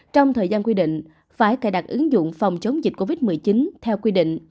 trong thời gian quy định phải cài đặt ứng dụng phòng chống dịch covid một mươi chín theo quy định